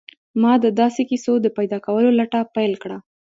ما د داسې کیسو د پیدا کولو لټه پیل کړه